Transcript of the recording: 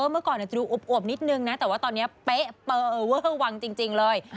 เมื่อก่อนอาจจะดูอวบนิดนึงนะแต่ว่าตอนนี้เป๊ะเปอร์เวอร์วังจริงเลย